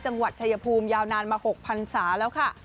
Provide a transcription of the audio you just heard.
จังหวัดชายภูมิยาวนานมา๖พันศาแล้วค่ะ